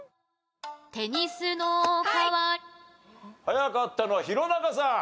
早かったのは弘中さん。